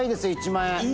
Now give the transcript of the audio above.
１万円」